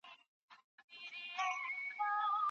سیروم کله ناروغ ته ورکول کیږي؟